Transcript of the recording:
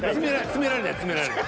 詰められない詰められない。